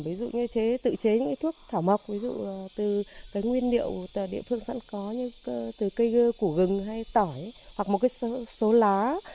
ví dụ như chế tự chế những cái thuốc thảo mộc ví dụ từ cái nguyên liệu địa phương sẵn có như từ cây gơ củ gừng hay tỏi hoặc một cái số lá